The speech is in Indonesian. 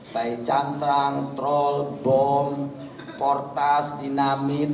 baik cantrang troll bom portas dinamit